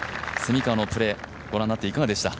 蝉川のプレーご覧になっていかがでした？